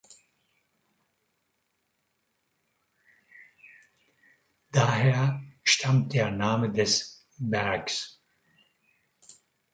Daher stammt der Name des Bergs.